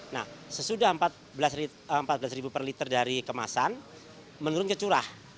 nah sesudah empat belas per liter dari kemasan menurun ke curah